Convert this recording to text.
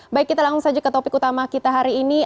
baik kita langsung saja ke topik utama kita hari ini